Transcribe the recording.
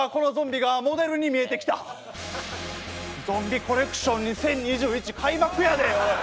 ゾンビコレクション２０２１開幕やでおい！